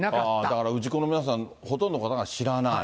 だから氏子の皆さん、ほとんどの方が知らない。